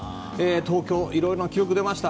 東京、いろんな記録が出ました。